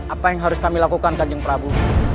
apa yang harus kami lakukan kanjeng prabu